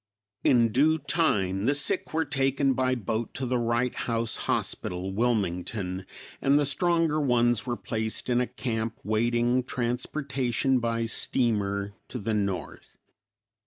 In due time, the sick were taken by boat to the Wright House Hospital, Wilmington, and the stronger ones were placed in a camp waiting transportation by steamer to the north.